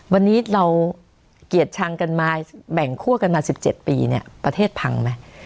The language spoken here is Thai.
วันนี้เราเกลียดชังกันมาแบ่งคั่วกันมา๑๗ปีเนี่ยประเทศพังไหม